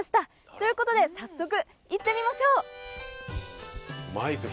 という事で早速行ってみましょう。